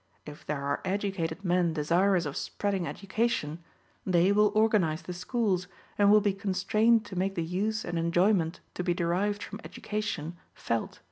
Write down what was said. If there are educated men desirous of spreading education, they will organize the schools, and will be constrained to make the use and enjoyment to be derived from education felt.